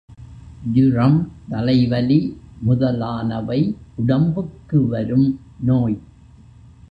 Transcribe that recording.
ஜூரம், தலை வலி முதலானவை உடம்புக்கு வரும் நோய்.